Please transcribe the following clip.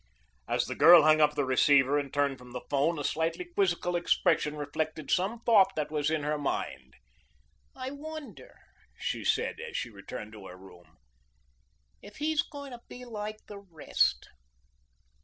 As the girl hung up the receiver and turned from the phone a slightly quizzical expression reflected some thought that was in her mind. "I wonder," she said as she returned to her room, "if he is going to be like the rest?"